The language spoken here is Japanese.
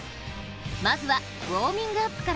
まずはウォーミングアップから。